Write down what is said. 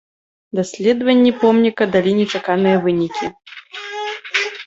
Даследаванні помніка далі нечаканыя вынікі.